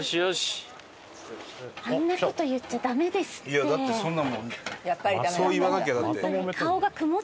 いやだってそんな。